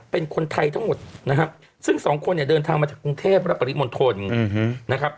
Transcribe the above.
เป็นคนไทยทั้งหมดนะครับซึ่งสองคนเนี่ยเดินทางมาจากกรุงเทพและปริมณฑลนะครับ